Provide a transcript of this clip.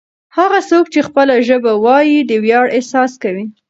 هغه څوک چې خپله ژبه وايي د ویاړ احساس کوي.